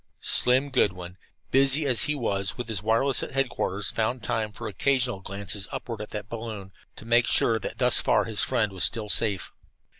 Slim Goodwin, busy as he was with the wireless at headquarters, found time for occasional glances upward at that balloon, to make sure that thus far his friend was still safe.